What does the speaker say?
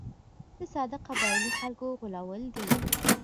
د ساده قبایلي خلکو غولول دي.